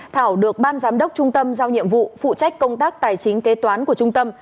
thảo được ban giám đốc trung tâm giao nhiệm vụ phụ trách công tác tài chính kế toán của trung tâm